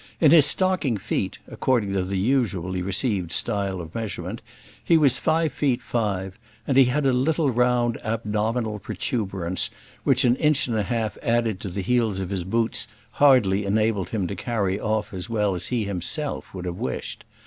In his stocking feet, according to the usually received style of measurement, he was five feet five; and he had a little round abdominal protuberance, which an inch and a half added to the heels of his boots hardly enabled him to carry off as well as he himself would have wished.